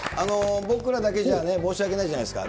僕らだけじゃ申し訳ないじゃないですか。